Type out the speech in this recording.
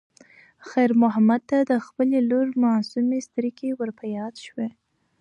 خیر محمد ته د خپلې لور معصومې سترګې ور په یاد شوې.